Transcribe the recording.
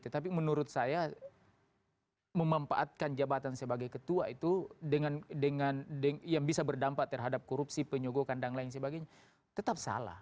tapi menurut saya memanfaatkan jabatan sebagai ketua itu yang bisa berdampak terhadap korupsi penyogokan dan lain sebagainya tetap salah